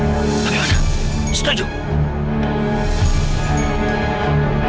saya akan mencoba untuk mengekalkan anda